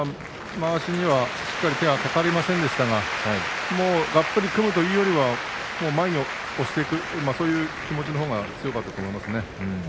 まわしには手が掛かりませんでしたががっぷり組むというよりは前に押していくその気持ちのほうが強かったと思いますね。